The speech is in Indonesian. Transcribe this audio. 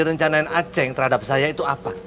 ini rencanain aceh yang terhadap saya itu apa